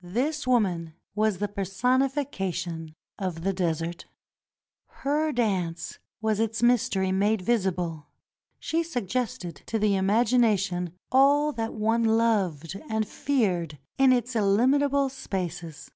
This woman was the personification of the desert. Her dance was its mystery made visible. She suggested to the imagination all that one loved and feared in its illimitable spaces.